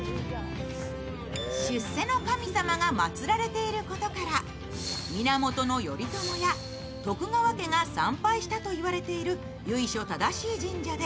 出世の神様が祭られていることから、源頼朝や徳川家が参拝したと言われている由緒正しい神社で